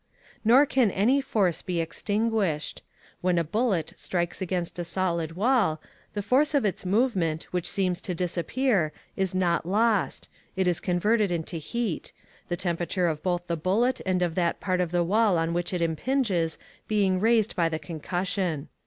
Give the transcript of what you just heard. Nor can any force be extinguished. When a bullet strikes against a solid wall, the force of its movement, which seems to disappear, is not lost; it is converted into heat the temperature of both the bullet and of that part of the wall on which it impinges being raised by the concussion.